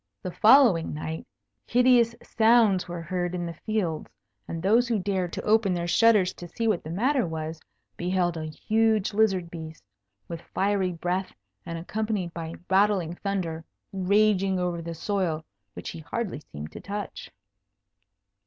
The following night, hideous sounds were heard in the fields, and those who dared to open their shutters to see what the matter was, beheld a huge lizard beast, with fiery breath and accompanied by rattling thunder, raging over the soil, which he hardly seemed to touch!